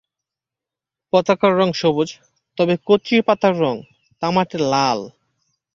পাতার রং সবুজ, তবে কচি পাতার রং তামাটে লাল।